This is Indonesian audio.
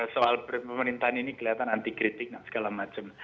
soal pemerintahan ini kelihatan anti kritik dan segala macam